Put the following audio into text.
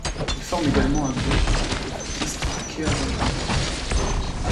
Il forme également un duo avec le flûtiste Geert Van Gele.